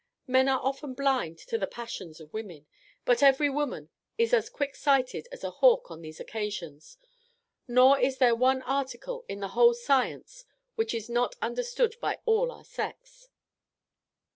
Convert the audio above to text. Men are often blind to the passions of women: but every woman is as quick sighted as a hawk on these occasions; nor is there one article in the whole science which is not understood by all our sex."